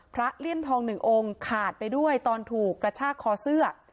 เลี่ยมทองหนึ่งองค์ขาดไปด้วยตอนถูกกระชากคอเสื้อ